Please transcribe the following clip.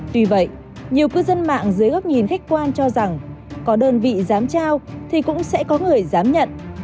tuy vậy nhiều cư dân mạng dưới góc nhìn khách quan cho rằng có đơn vị dám trao thì cũng sẽ có người dám nhận